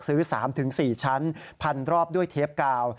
ซื้อ๓๔ชั้นพันรอบด้วยเทปกาว